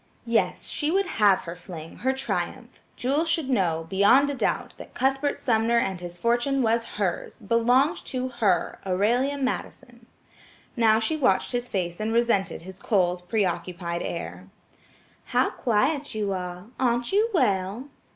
Yes, she would have her fling, her triumph; Jewel should know, beyond a doubt, that Cuthbert Sumner and his fortune was hers, belonged to her–Aurelia Madison. Now she watched his face and resented his cold, preoccupied air. "How quiet you are; aren't you well?"